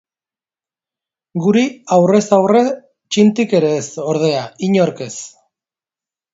Guri, aurrez aurre, txintik ere ez, ordea, inork ez.